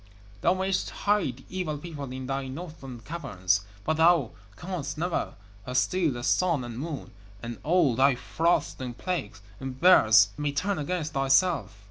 Thou mayst hide evil people in thy Northland caverns, but thou canst never steal the Sun and Moon, and all thy frosts and plagues and bears may turn against thyself.'